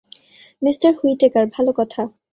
Mr Whitaker, ভালো কথা।